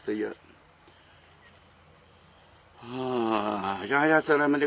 จากฝั่งภูมิธรรมฝั่งภูมิธรรม